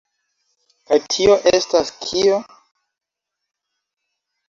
Kaj tio estas kio?